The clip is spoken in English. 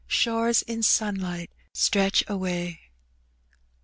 Shores in sunlight stretch away."